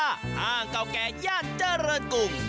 ห้างเก่าแก่ย่านเจริญกรุง